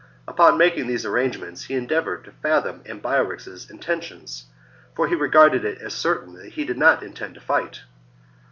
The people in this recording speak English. After making these arrangements, he endeavoured to fathom Ambiorix's intentions, for he regarded it as certain that he did not intend to fight.